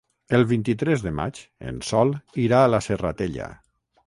El vint-i-tres de maig en Sol irà a la Serratella.